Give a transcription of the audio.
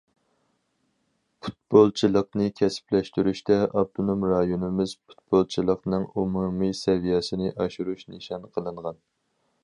پۇتبولچىلىقنى كەسىپلەشتۈرۈشتە ئاپتونوم رايونىمىز پۇتبولچىلىقىنىڭ ئومۇمىي سەۋىيەسىنى ئاشۇرۇش نىشان قىلىنغان.